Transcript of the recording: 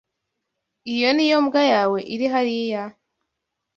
Iyo niyo mbwa yawe iri hariya?